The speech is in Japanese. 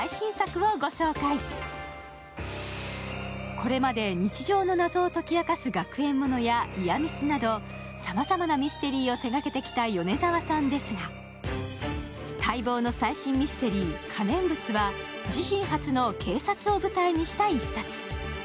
これまで、日常の謎を解き明かす学園物やイヤミスなどさまざまなミステリーを手がけてきた米澤さんですが、待望の最新ミステリー「可燃物」は自身初の警察を舞台にした１冊。